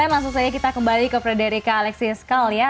langsung saja kita kembali ke frederica alexis kull ya